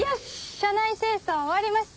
車内清掃終わりました。